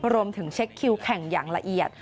รวมถึงเช็คคิวแข่งอย่างละเอียด